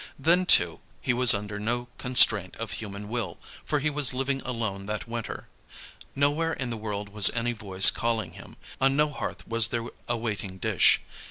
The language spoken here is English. Then, too, he was under no constraint of human will, for he was living alone that winter. Nowhere in the world was any voice calling him; on no hearth was there a waiting dish.